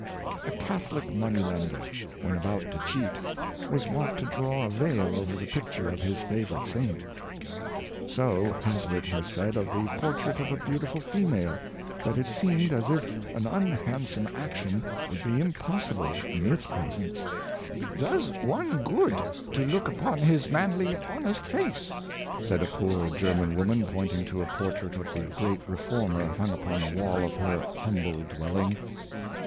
A Catholic money lender, when about to cheat, was wont to draw a veil over the pic ture of his favorite saint. So Hazlitt has said of the portrait of a beautiful female, that it seemed as if an un handsome action would be impossible in its presence. " It does one good to look upon his manly, honest face," said a poor German woman, pointing to a portrait of the great reformer hung upon the wall of her humble dwelling.